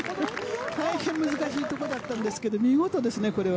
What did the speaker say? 大変難しいところだったんですけど見事ですね、これは。